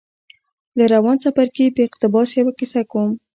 له روان څپرکي په اقتباس يوه کيسه کوم.